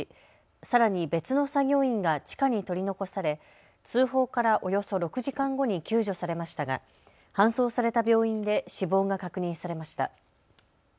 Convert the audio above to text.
さらに別の作業員が地下に取り残され通報からおよそ６時間後に救助されましたが搬送された病院で死亡が確認されました。